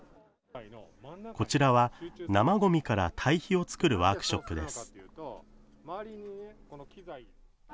こちらは生ごみから堆肥を作るワークショップです。